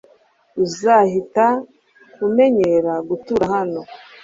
Uzahita umenyera gutura hano.